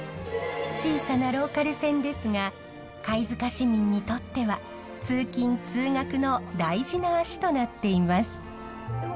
小さなローカル線ですが貝塚市民にとっては通勤通学の大事な足となっています。